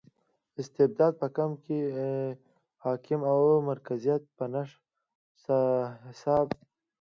استبداد په کې حاکم او مرکزیت په نشت حساب و.